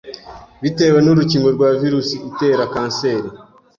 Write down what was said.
bitewe n’urukingo rwa virusi itera kanseri